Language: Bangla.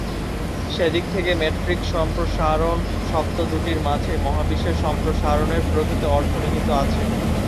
সেদিক থেকে "মেট্রিক সম্প্রসারণ" শব্দ দুটির মাঝেই মহাবিশ্বের সম্প্রসারণের প্রকৃত অর্থ নিহিত আছে।